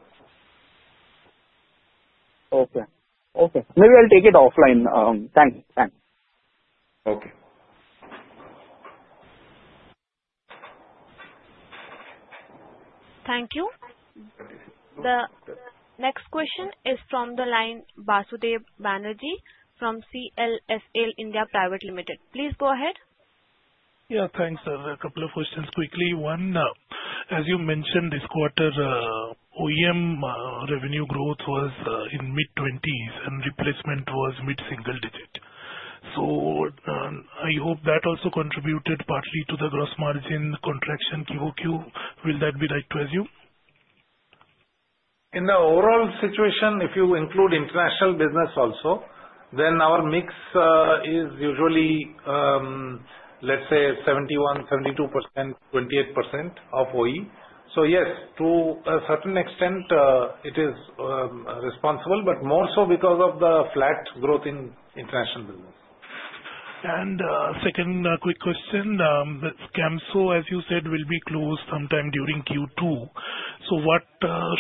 Maybe I'll take it offline. Thanks. Thank you. The next question is from the line Vasudevanarijeet from CLSAL India Private Limited. A couple of questions quickly. One, as you mentioned this quarter, OEM revenue growth was in mid-20s and replacement was mid single digit. So I hope that also contributed partly to the gross margin contraction Q o Q. Will that be right to assume? In the overall situation, if you include international business also, then our mix is usually, let's say, 71%, 72%, 28% of OE. So yes, to a certain extent, it is responsible, but more so because of the flat growth in international business. And second quick question, Camso, as you said, will be closed sometime during Q2. So what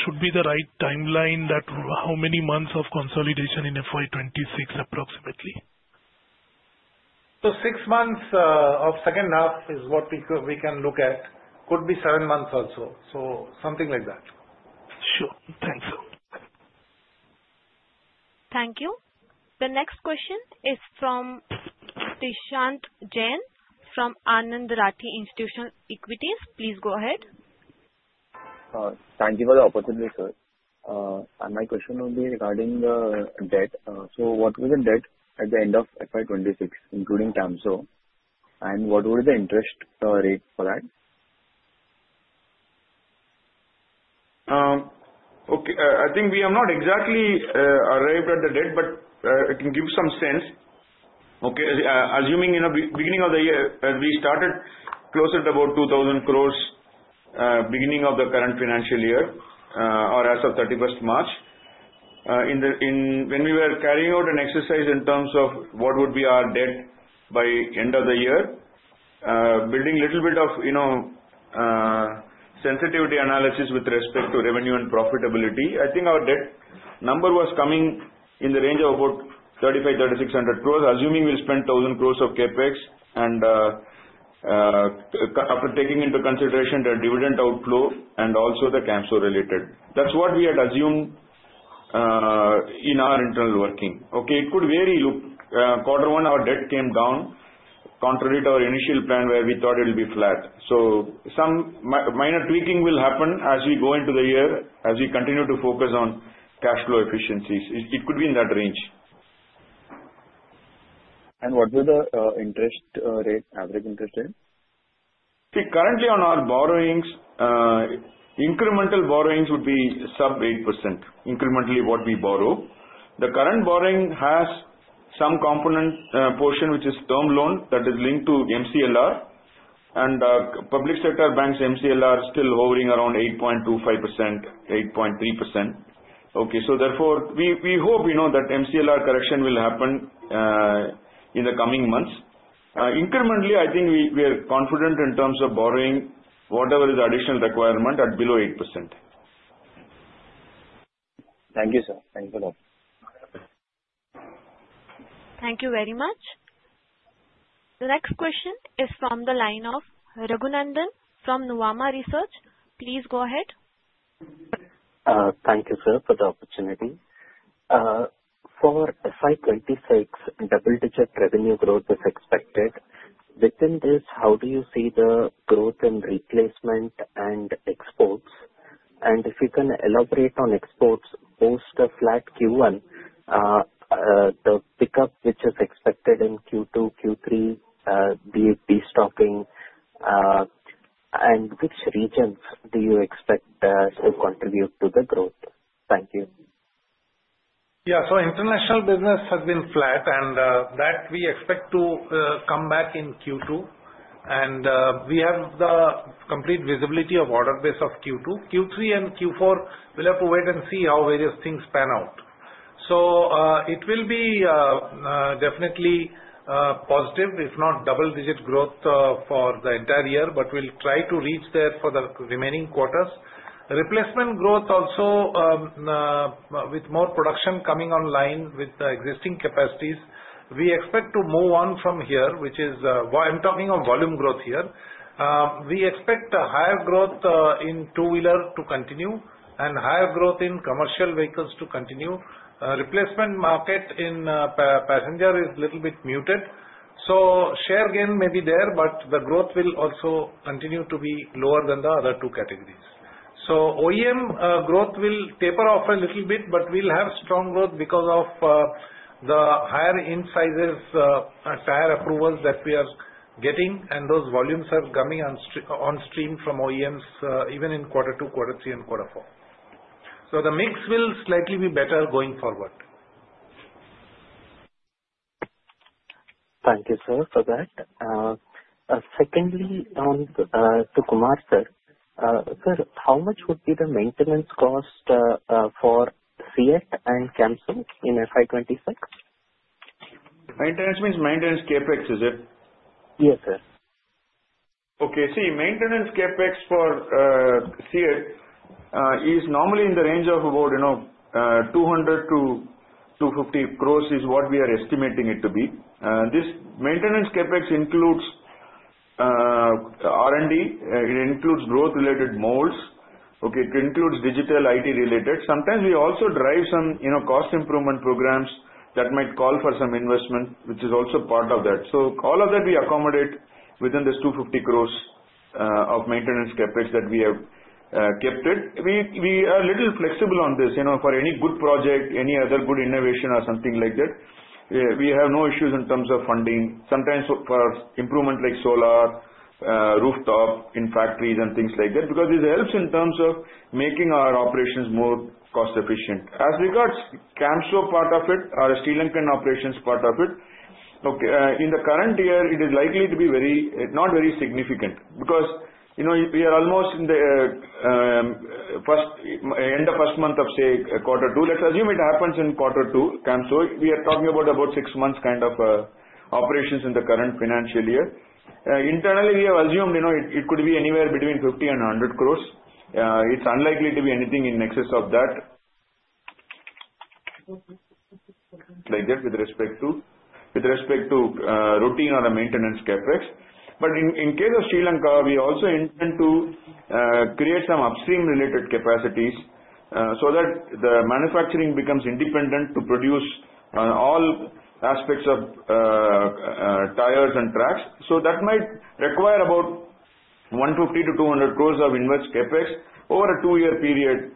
should be the right time line that how many months of consolidation in FY 'twenty six approximately? So six months of second half is what we can look at, could be seven months also, so something like that. The next question is from Nishanth Jain from Anandrati Institutional Equities. My question will be regarding the debt. So what was the debt at the end of FY 'twenty six, including TAMZO? And what was the interest rate for that? Mani:] Okay. I think we have not exactly arrived at the debt, but I can give some sense, okay. Assuming beginning of the year, we started closer to about 2,000 crores beginning of the current financial year or as of thirty first March. When we were carrying out an exercise in terms of what would be our debt by end of the year, building little bit of sensitivity analysis with respect to revenue and profitability, I think our debt number was coming in the range of 3500 crores, 3600 crores, assuming we'll spend 1000 crores of CapEx and after taking into consideration the dividend outflow and also the CAMSO related. That's what we had assumed in our internal working. Okay. It could vary. Quarter one, our debt came down, contrary to our initial plan where we thought it will be flat. So some minor tweaking will happen as we go into the year as we continue to focus on cash flow efficiencies. It could be in that range. And what was the interest rate, average interest rate? S. See, currently on our borrowings, incremental borrowings would be sub-eight percent, incrementally what we borrow. The current borrowing has some component portion, which is term loan that is linked to MCLR and public sector banks MCLR still hovering around 8.25%, 8.3. Okay. So, we hope that MCLR correction will happen in the coming months. Incrementally, think we are confident in terms of borrowing whatever is additional requirement at below 8%. Next question is from the line of Raghunandan from Nuwama Research. For FY 'twenty six, double digit revenue growth is expected. Within this, how do you see the growth in replacement and exports? And if you can elaborate on exports post a flat Q1, the pickup which is expected in Q2, Q3, destocking? And which regions do you expect to contribute to the growth? Yes. So international business has been flat, and that we expect to come back in Q2. And we have the complete visibility of order base of Q2. Q3 and Q4, we'll have to wait and see how various things pan out. So it will be definitely positive, if not double digit growth for the entire year, but we'll try to reach there for the remaining quarters. Replacement growth also with more production coming online with the existing capacities, we expect to move on from here, which is why I'm talking of volume growth here. We expect higher growth in two wheeler to continue and higher growth in commercial vehicles to continue. Replacement market in passenger is little bit muted. So share gain may be there, but the growth will also continue to be lower than the other two categories. So OEM growth will taper off a little bit, but we'll have strong growth because of the higher incisors tire approvals that we are getting, and those volumes are coming on stream from OEMs even in quarter two, quarter three and quarter four. So the mix will slightly be better going forward. Thank you, sir, for that. Secondly, on to Kumar sir. Sir, how much would be the maintenance cost for SEAT and Kamsul in FY 'twenty six? Maintenance means maintenance CapEx, is it? Yes, sir. Okay. See, maintenance CapEx for SEAT is normally in the range of about 200 crores to INR $2.50 crores is what we are estimating it to be. This maintenance CapEx includes R and D, it includes growth related molds, it includes digital IT related. Sometimes we also drive some cost improvement programs that might call for some investment, which is also part of that. So, all of that we accommodate within this 250 crores of maintenance CapEx that we have kept it. We are a little flexible on this for any good project, any other good innovation or something like that. We have no issues in terms of funding, sometimes for improvement like solar, rooftop in factories and things like that because it helps in terms of making our operations more cost efficient. As regards to Camso part of it, our steel and can operations part of it, okay, in the current year, it is likely to be very not very significant because we are almost in the first end of first month of, say, quarter two. Let's assume it happens in quarter two, so we are talking about six months kind of operations in the current financial year. Internally, we have assumed it could be anywhere between 50 crores and 100 crores. It's unlikely to be anything in excess of that like that with respect to routine or maintenance CapEx. But in case of steel and car, we also intend to create some upstream related capacities so that the manufacturing becomes independent to produce all aspects of tires and tracks. So that might require about 150 crores to 200 crores of inverse CapEx over a two year period,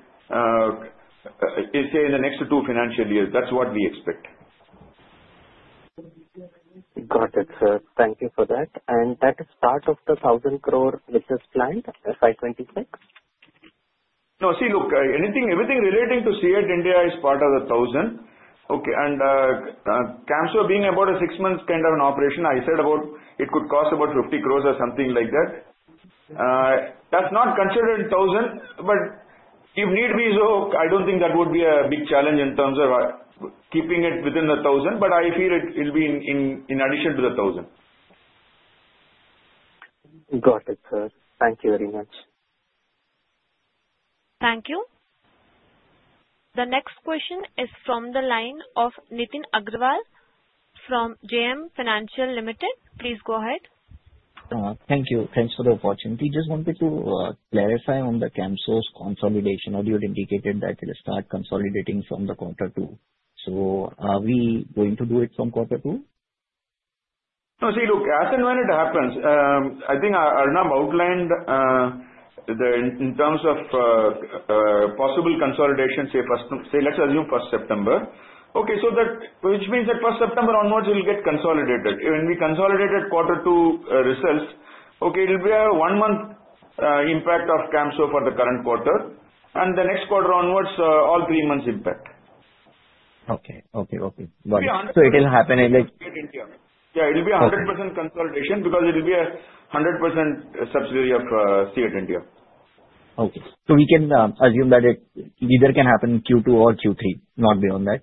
let's say, the next two financial years. That's what we expect. Got it, sir. Thank you for that. And that is part of the 1000 crores business plan, FY 'twenty six? No. See, look, everything relating to SeaHit India is part of the 1000 crores, okay? And Camso being about a six months kind of an operation, I said about it could cost about 50 crores or something like that. That's not considered 1000 crores. But if need be so, I don't think that would be a big challenge in terms of keeping it within the 1,000, but I feel it will be in addition to the 1,000. Got it, sir. Thank you very much. Thank you. The next question is from the line of Nitin Agarwal from JM Financial Limited. Please go ahead. Thank you. Thanks for the opportunity. Just wanted to clarify on the Camso's consolidation. You had indicated that it will start consolidating from the quarter two. So are we going to do it from quarter two? No. See, look, as and when it happens, I think Arnab outlined in terms of possible consolidation, say, let's assume first September, okay, so that which means that first September onwards, it will get consolidated. When we consolidated quarter two results, okay, it will be a one month impact of Camso for the current quarter and the next quarter onwards, all three months impact. Okay. Okay. Got it. So it will happen in like it will be 100% consolidation because it will be a 100% subsidiary of CA10. So we can assume that it either can happen in Q2 or Q3, not beyond that?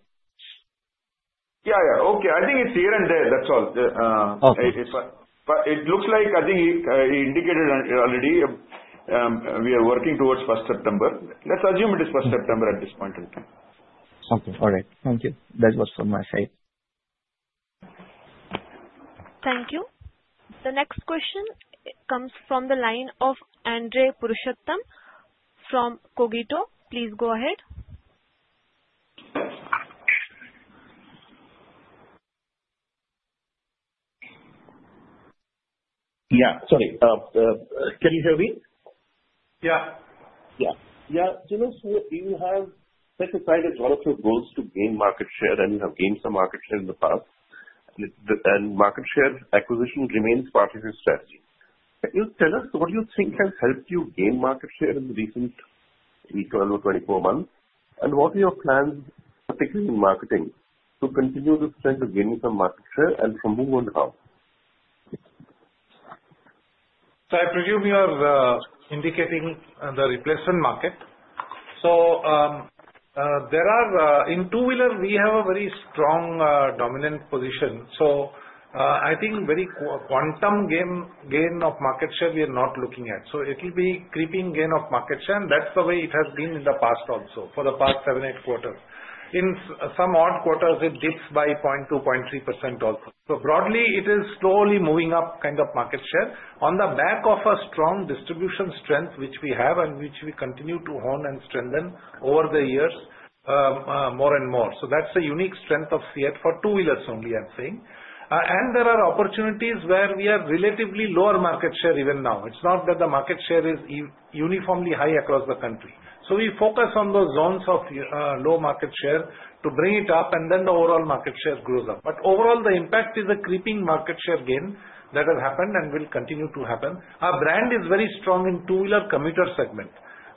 Yes, yes. Okay. I think it's here and there. That's all. But it looks like I think he indicated already, we are working towards first September. Let's assume it is first September at this point in time. Thank you. The next question comes from the line of Andre Purushattam from Cogito. Please go ahead. Yes. Sorry, can you hear me? Janus, you have set aside a ton of your goals to gain market share and you have gained some market share in the past. And market share acquisition remains part of your strategy. Can you tell us what you think has helped you gain market share in the recent three, twelve or twenty four months? And what are your plans, particularly in marketing, to continue the strength of gaining some market share and from who and how? So I presume you are indicating the replacement market. So there are in two wheelers, we have a very strong dominant position. So I think very quantum gain of market share, we are not looking at. So it will be creeping gain of market share, that's the way it has been in the past also, for the past seven, eight quarters. In some odd quarters, it dips by 0.2%, 0.3% also. So broadly, it is slowly moving up kind of market share on the back of a strong distribution strength, which we have and which we continue to hone and strengthen over the years more and more. So that's the unique strength of Fiat for two wheelers only, I'm saying. And there are opportunities where we have relatively lower market share even now. It's not that the market share is uniformly high across the country. So we focus on those zones of low market share to bring it up and then the overall market share grows up. But overall, the impact is a creeping market share gain that has happened and will continue to happen. Our brand is very strong in two wheeler commuter segment.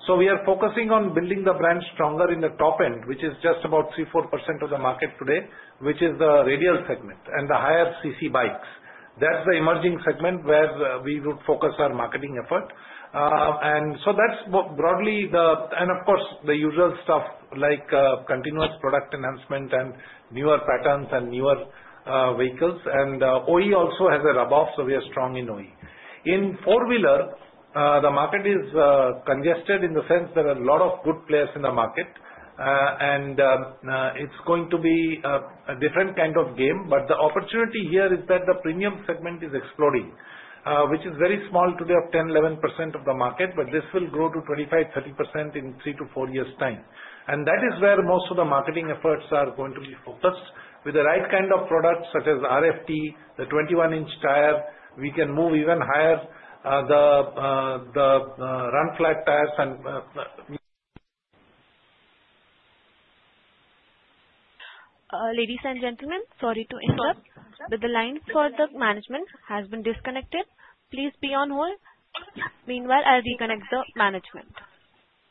So we are focusing on building the brand stronger in the top end, which is just about 34% of the market today, which is the radial segment and the higher CC bikes. That's the emerging segment where we would focus our marketing effort. And so that's broadly the and of course, the usual stuff like continuous product enhancement and newer patterns and newer vehicles. And OE also has a rub off, so we are strong in OE. In four wheeler, the market is congested in the sense that there are lot of good players in the market. And it's going to be a different kind of game, but the opportunity here is that the premium segment is exploding, which is very small today of 10%, 11% of the market, but this will grow to 25%, 30% in three to four years' time. And that is where most of the marketing efforts are going to be focused. With the right kind of products such as RFT, the 21 inches tire, we can move even higher the run flat tires and and gentlemen, sorry to interrupt, but the line for the management has been disconnected. Please be on hold. Meanwhile, I'll reconnect the management.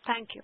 Thank you.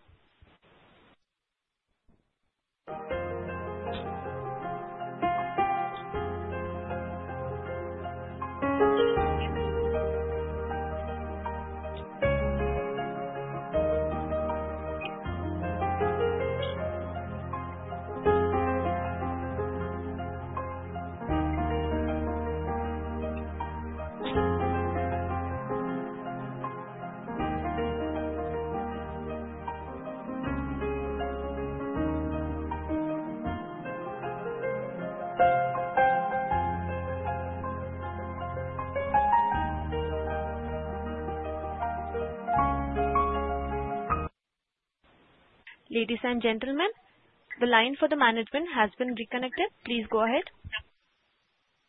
Ladies and gentlemen, the line for the management has been reconnected. Please go ahead.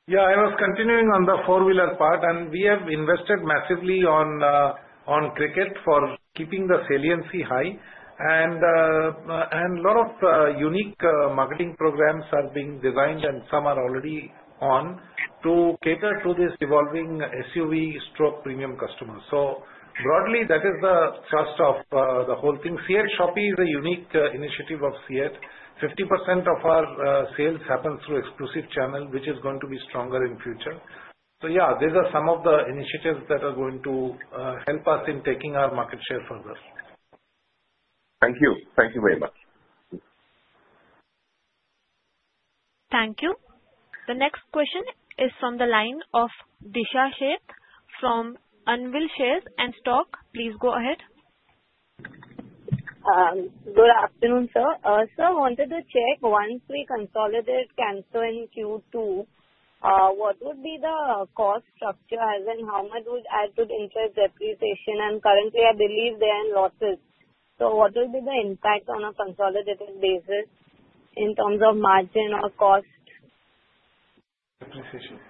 Yes. I was continuing on the four wheeler part, and we have invested massively on cricket for keeping the saliency high. And lot of unique marketing programs are being designed and some are already on to cater to this evolving SUVpremium customers. So broadly, that is the thrust of the SEAT Shopee is a unique initiative of SEAT. 50% of our sales happen through exclusive channel, which is going to be stronger in future. So yes, these are some of the initiatives that are going to help us in taking our market share further. The next question is from the line of Disha Sheikh from Anvil Shares and Stock. Good afternoon, sir. Sir, I wanted to check once we consolidate cancel in q two, what would be the cost structure as in how much would add to the interest depreciation? And currently, I believe they are in losses. So what will be the impact on a consolidated basis in terms of margin or cost? Depreciation.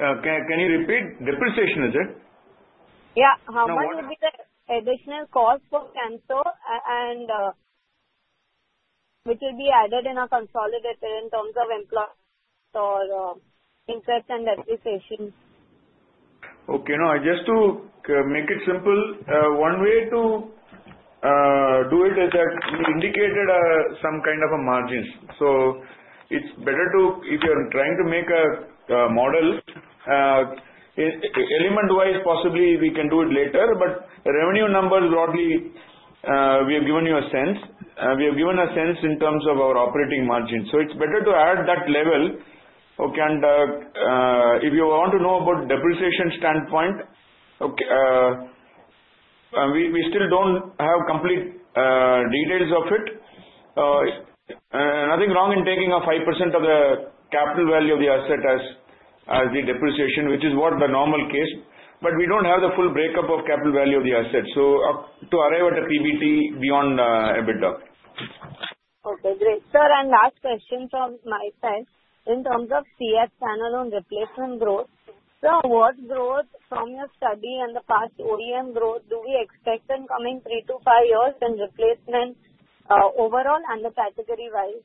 Can you repeat? Depreciation, is it? How much will be the additional cost for cancel and which will be added in our consolidated in terms of employer or interest and depreciation? Okay. No, just to make it simple, one way to do it is that we indicated some kind of a margin. So it's better to if you're trying to make a model, element wise, possibly, we can do it later. But revenue numbers broadly, we have given you a sense. We have given a sense in terms of our operating margin. So it's better to add that level. And if you want to know about depreciation standpoint, we still don't have complete details of it. Nothing wrong in taking up 5% of the capital value of the asset as the depreciation, which is what the normal case. But we don't have the full breakup of capital value of the asset, so to arrive at the PBT beyond EBITDA. Great. Sir, and last question from my side. In terms of CF channel on replacement growth. Sir, what growth from your study and the past OEM growth do we expect in coming three to five years in replacement overall and the category wise?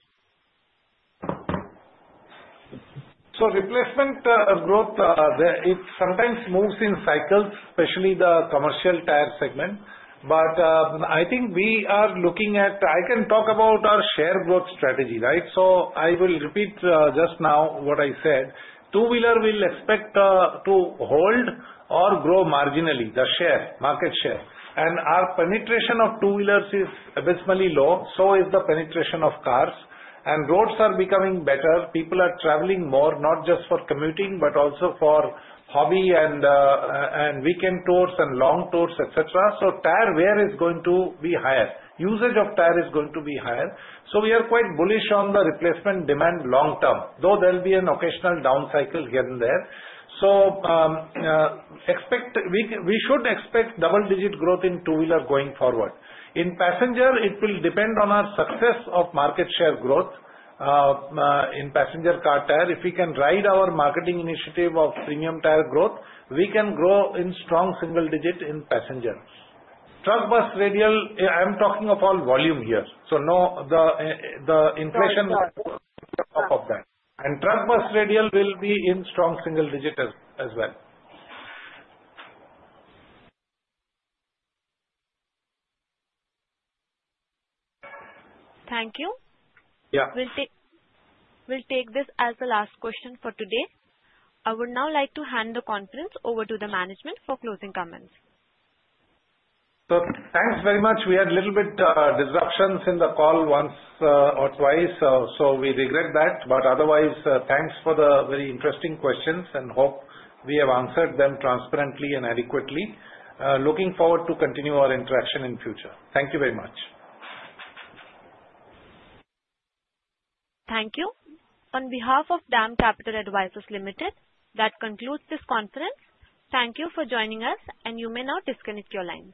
So replacement growth, it sometimes moves in cycles, especially the commercial tire segment. But I think we are looking at I can talk about our share growth strategy, right? So I will repeat just now what I said. Two wheeler will expect to hold or grow marginally, the share, market share. And our penetration of two wheelers is abysmally low, so is the penetration of cars. And roads are becoming better, people are traveling more, not just for commuting, but also for hobby and weekend tours and long tours, etcetera. So tire wear is going to be higher, usage of tire is going to be higher. So we are quite bullish on the replacement demand long term, though there will be an occasional down cycle here and there. So expect we should expect double digit growth in two wheeler going forward. In passenger, it will depend on our success of market share growth in passenger car tire. If we can ride our marketing initiative of premium tire growth, we can grow in strong single digit in passenger. Truck bus radial, I'm talking of all volume here. So no the inflation And will be on top of truck bus radial will be in strong single digit as well. Thank you. We'll take this as the last question for today. I would now like to hand the conference over to the management for closing comments. Thanks very much. We had little bit disruptions in the call once or twice. So we regret that. But otherwise, thanks for the very interesting questions and hope we have answered them transparently and adequately. Looking forward to continue our interaction in future. Thank you very much. Thank you. On behalf of DAM Capital Advisors Limited, that concludes this conference. Thank you for joining us, and you may now disconnect your lines.